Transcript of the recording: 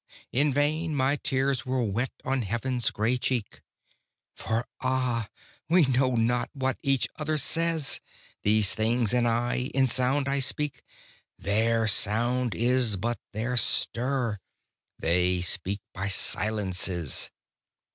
In vain my tears were wet on Heaven's grey cheek. For ah! we know not what each other says, These things and I; in sound I speak Their sound is but their stir, they speak by silences.